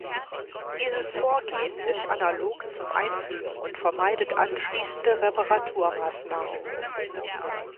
Dieses Vorgehen ist analog zum Einfügen und vermeidet anschließende Reparaturmaßnahmen.